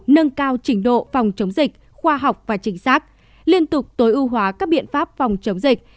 nâng cao trình độ phòng chống dịch khoa học và chính xác liên tục tối ưu hóa các biện pháp phòng chống dịch